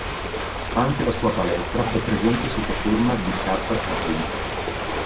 Anche la sua palestra è presente sotto forma di carta Stadium.